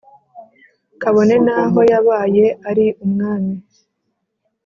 Kabone n’aho yabaye ari Umwami,